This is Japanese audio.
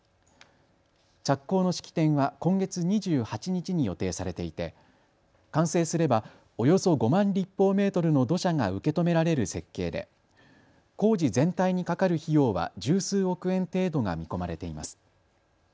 着工の式典は今月２８日に予定されていて完成すればおよそ５万立方メートルの土砂が受け止められる設計で工事全体にかかる費用は十数億円程度が見込まれています。